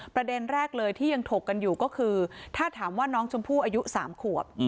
ประเด็นแรกเลยที่ยังถกกันอยู่ก็คือถ้าถามว่าน้องชมพู่อายุ๓ขวบ